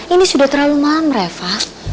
ini sudah terlalu malam reva